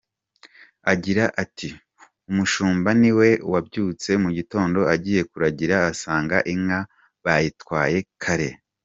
Agira ati “Umushumba niwe wabyutse mu gitondo agiye kuragira asanga inka bayitwaye kare.